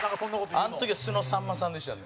あの時は素のさんまさんでしたね。